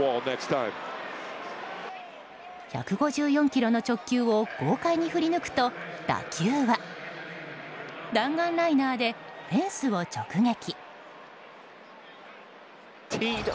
１５４キロの直球を豪快に振り抜くと、打球は弾丸ライナーでフェンスを直撃。